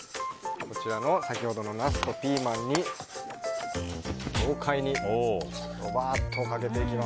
先ほどのナスとピーマンに豪快にどばっとかけていきます。